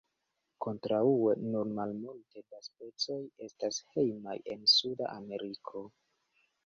Kontraŭe nur malmulte da specoj estas hejmaj en suda Ameriko.